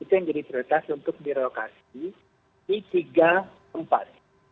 itu yang jadi prioritas untuk direlokasi di tiga tempat